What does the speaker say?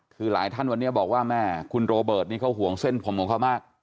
คือหลายท่านวันนี้บอกว่าแม่คุณโรเบิร์ตนี่เขาห่วงเส้นผมของเขามาก